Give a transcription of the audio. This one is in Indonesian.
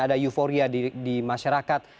ada euforia di masyarakat